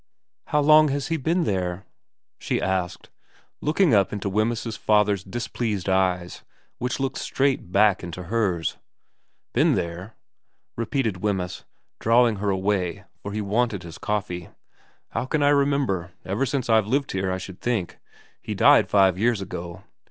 * How long has he been there ?' she asked, looking up into Wemyss's father's displeased eyes which looked straight back into hers. * Been there ?' repeated Wemyss, drawing her away for he wanted his coffee. ' How can I remember ? Ever since I've lived here, I should think. He died five years ago.